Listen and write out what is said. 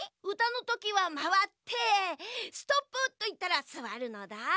うたのときはまわって「ストップ！」といったらすわるのだ。